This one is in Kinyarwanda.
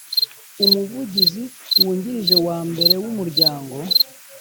Umuvugizi wungirije wa mbere w Umuryango